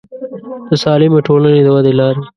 د سالمې ټولنې د ودې لارې